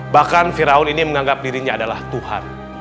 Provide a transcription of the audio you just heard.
bahkan firaun ⁇ ini menganggap dirinya adalah tuhan